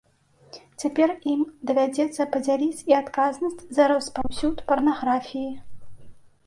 Цяпер ім давядзецца падзяліць і адказнасць за распаўсюд парнаграфіі.